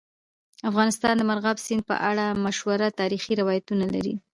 افغانستان د مورغاب سیند په اړه مشهور تاریخی روایتونه لري.